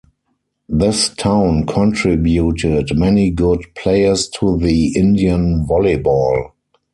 This town contributed many good players to the Indian volleyball.